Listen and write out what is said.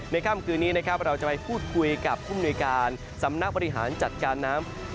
ในข้ามคืนนี้เราจะพูดคุยกับภูมิวิการสำนักปฏิหารจัดการน้ำ